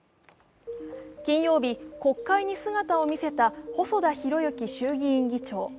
金曜日、国会に姿を見せた細田博之衆議院議長。